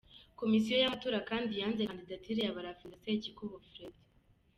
Komisiyo y’amatora kandi yanze kandidatire ya Barafinda Sekikubo Fred.